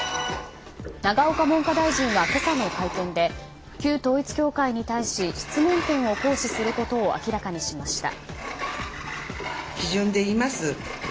永岡文科大臣は今朝の会見で旧統一教会に対し質問権を行使することを明らかにしました。